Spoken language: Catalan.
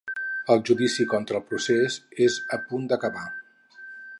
El judici contra el procés és a punt d’acabar.